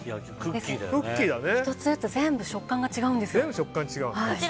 １つずつ全部食感が違うんです。